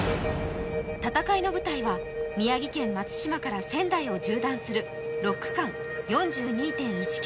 戦いの舞台は宮城県松島から仙台を縦断する区間。